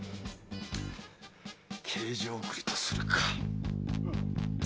刑場送りとするか。